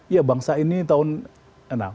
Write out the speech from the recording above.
ya bangsa ini tahun enam